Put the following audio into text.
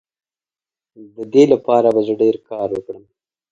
د دې لپاره به زه ډیر کار وکړم.